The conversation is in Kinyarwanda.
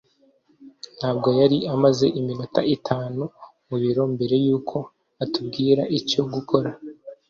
ntabwo yari amaze iminota itanu mu biro mbere yuko atubwira icyo gukora